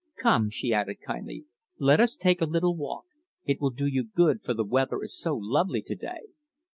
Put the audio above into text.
Come," she added kindly, "let us take a little walk. It will do you good for the weather is so lovely to day."